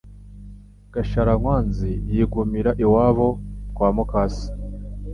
Gasharankwanzi yigumira iwabo kwa mukase